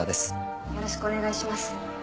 よろしくお願いします。